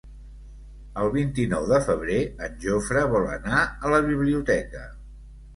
El vint-i-nou de febrer en Jofre vol anar a la biblioteca.